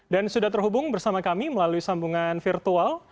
sudah terhubung bersama kami melalui sambungan virtual